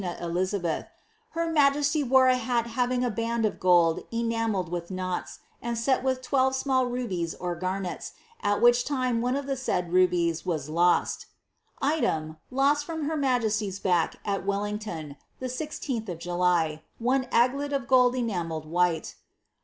Eliz., ber majesty leorc a hat having a band of gold enamelled with knots, and set with twelve small rubies or garnets, at which time one of the said rubies was k»L Item, Lost from her majesty's back at Willingtnn, the 16tb of July, one aglet of gold enamelled white.